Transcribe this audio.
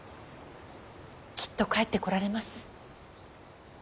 きっと帰ってこられます。